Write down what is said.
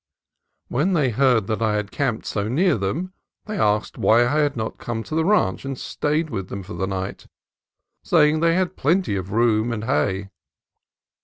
When they heard that I had camped so near them, they asked why I had not come to the ranch and stayed with them for the night, saying that they had plenty of room and hay.